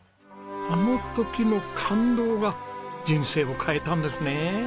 あの時の感動が人生を変えたんですね。